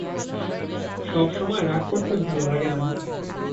সব সময় রাগ করতে ভালো লাগে না।